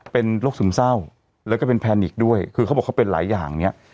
เป็นโรคซึมเศร้าแล้วก็เป็นแพนิกด้วยคือเขาบอกเขาเป็นหลายอย่างเนี่ย